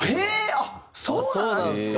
あっそうなんですか！